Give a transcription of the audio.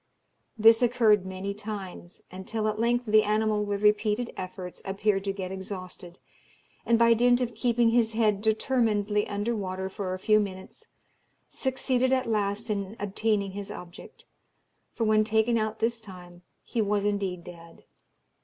This occurred many times, until at length the animal with repeated efforts appeared to get exhausted, and by dint of keeping his head determinedly under water for a few minutes succeeded at last in obtaining his object, for when taken out this time he was indeed dead.